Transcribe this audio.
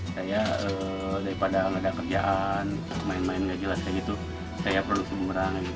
saya daripada ada kerjaan main main tidak jelas saya produksi bumerang